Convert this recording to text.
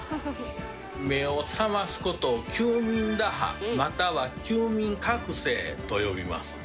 目を覚ますことを「休眠打破」または「休眠覚醒」と呼びます。